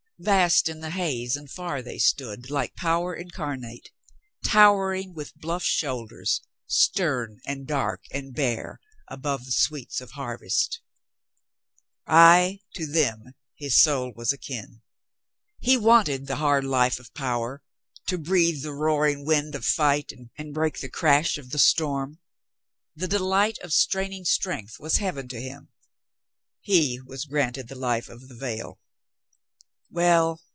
Vast in the haze and far they stood, like power incarnate, towering with bluff shoulders, stern and dark and bare, above the sweets of har vest. Ay, to them his soul was akin. He wanted the hard life of power, to breath the roaring wind THE MASTER OF ALL 469 of fight and break the crash of the storm. The de light of straining strength was Heaven to him. He was granted the life of the vale. Well